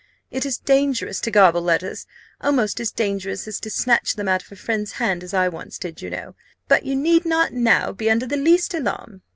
It is dangerous to garble letters, almost as dangerous as to snatch them out of a friend's hand, as I once did, you know but you need not now be under the least alarm."